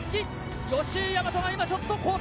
吉居大和が今ちょっと後退。